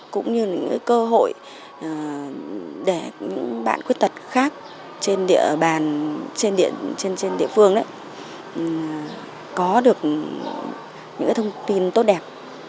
cũng như những cái cơ hội để những bạn khuyết tật khác trên địa phương có được những cái thông tin tốt đẹp